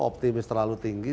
optimis terlalu tinggi